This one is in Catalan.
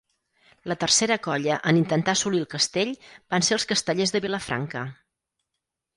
La tercera colla en intentar assolir el castell van ser els Castellers de Vilafranca.